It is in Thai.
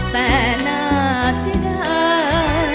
แต่น่าสิดาย